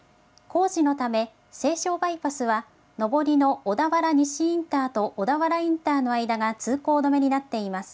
工事のため西湘バイパスは上りの小田原西インターと小田原インターの間が通行止めになっています。